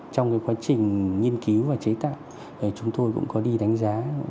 trong cái quá trình nghiên cứu và chế tạo chúng tôi cũng có đi đánh giá